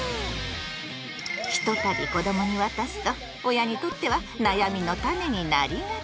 ひとたび子どもに渡すと親にとっては悩みのタネになりがち！